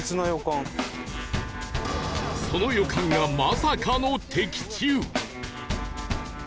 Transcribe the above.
その予感がまさかの的中！